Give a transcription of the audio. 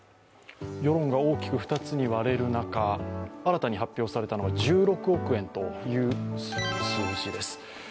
世論が大きく２つに割れる中新たに発表されたのが１６億円という数字です。